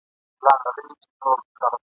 پر جنډۍ د شهیدانو سیوری نه وی د مغلو !.